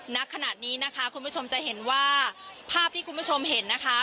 ณขณะนี้นะคะคุณผู้ชมจะเห็นว่าภาพที่คุณผู้ชมเห็นนะคะ